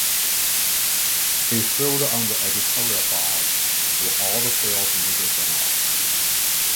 He served on the editorial boards of all the field’s major journals.